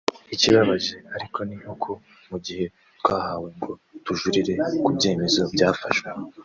Ikibabaje ariko ni uko mu gihe twahawe ngo tujurire ku byemezo byafashwe